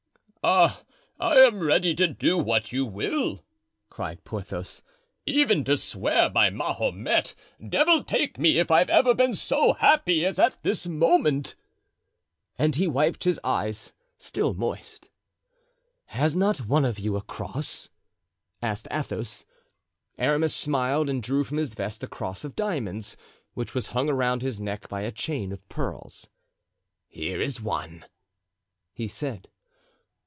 "Ah, I'm ready to do what you will," cried Porthos; "even to swear by Mahomet. Devil take me if I've ever been so happy as at this moment." And he wiped his eyes, still moist. "Has not one of you a cross?" asked Athos. Aramis smiled and drew from his vest a cross of diamonds, which was hung around his neck by a chain of pearls. "Here is one," he said.